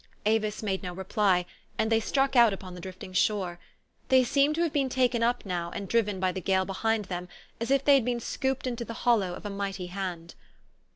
Avis made no reply ; and they struck out upon the drifting shore. They seemed to have been taken up now, and driven by the gale behind them, as if they had been scooped into the hollow of a mighty hand.